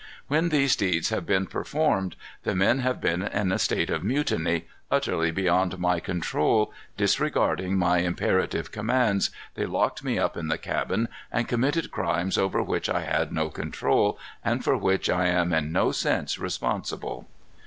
When these deeds have been performed, the men have been in a state of mutiny, utterly beyond my control. Disregarding my imperative commands, they locked me up in the cabin, and committed crimes over which I had no control, and for which I am in no sense responsible."